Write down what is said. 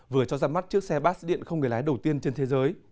vừa cho ra mắt chiếc xe pass điện không người lái đầu tiên trên thế giới